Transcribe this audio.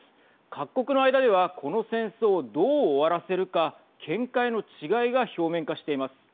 各国の間では、この戦争をどう終わらせるか見解の違いが表面化しています。